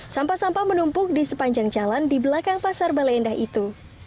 sampah sampah menumpuk di sepanjang jalan di belakang pasar bale endah itu